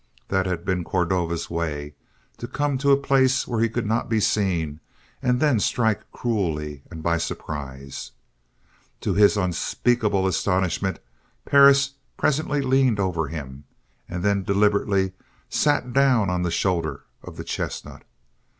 That had been Cordova's way to come to a place where he could not be seen and then strike cruelly and by surprise. To his unspeakable astonishment, Perris presently leaned over him and then deliberately sat down on the shoulder of the chestnut.